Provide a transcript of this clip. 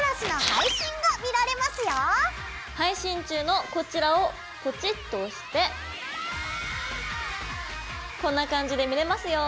配信中のこちらをポチッと押してこんな感じで見れますよ。